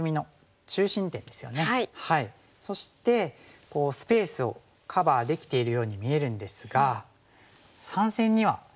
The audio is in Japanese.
そしてスペースをカバーできているように見えるんですが３線には少し弱点があります。